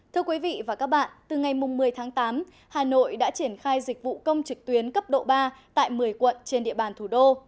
thưa quý vị và các bạn từ ngày một mươi tháng tám hà nội đã triển khai dịch vụ công trực tuyến cấp độ ba tại một mươi quận trên địa bàn thủ đô